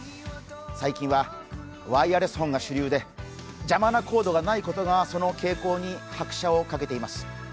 最近はワイヤレスホンが主流で邪魔なコードがないことがその傾向に拍車をかけています。